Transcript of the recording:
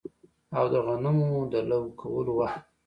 او د غنمو د لو کولو وخت دی